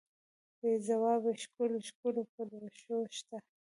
بې ځوابه ښکلو، ښکلو پلوشو ته